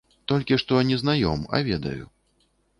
Толькі што не знаём, а ведаю.